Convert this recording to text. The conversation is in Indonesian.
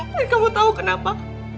dan kamu tahu kenapa